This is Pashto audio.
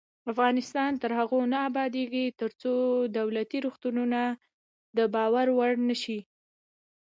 افغانستان تر هغو نه ابادیږي، ترڅو دولتي روغتونونه د باور وړ نشي.